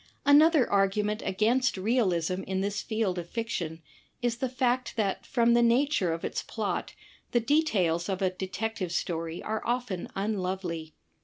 Another argument against realism in this field of fiction, is the fact that from the nature of its plot the details of a Detective Story are often unlovely.